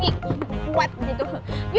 nyi kuat gitu